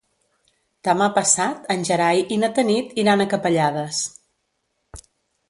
Demà passat en Gerai i na Tanit iran a Capellades.